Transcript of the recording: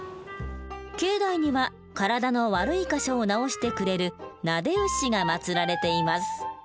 境内には体の悪い箇所を治してくれる撫で牛が祭られています。